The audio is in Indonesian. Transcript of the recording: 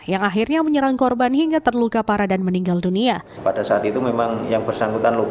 yang akhirnya menyerang korban hingga terluka parah dan meninggal dunia